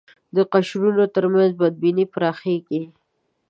د قشرونو تر منځ بدبینۍ پراخېږي